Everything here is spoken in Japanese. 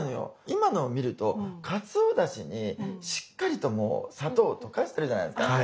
今のを見るとかつおだしにしっかりともう砂糖を溶かしてるじゃないですか。